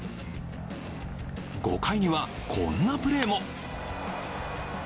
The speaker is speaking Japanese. ５回には、こんなプレーも。